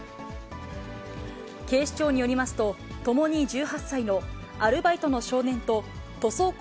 警視庁によりますと、ともに１８歳のアルバイトの少年と、塗装工